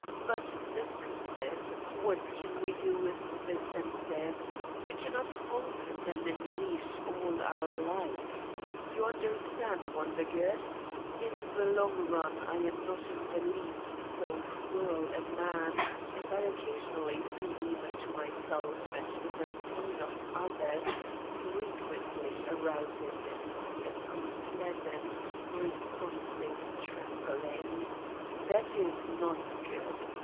But the senses, what can we do with the senses, we cannot hold them in leash all our life ! You understand, Won der, good? In the long run, I am not in the least so cruel a man as I occasionally seem even to my self and the pain of others frequently arouses in me an unpleasant, responsive trembling. That is not good.